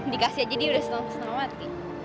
dikasih aja dia udah seneng seneng banget